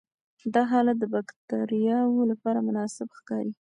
دا حالت د باکټریاوو لپاره مناسب ښکاري.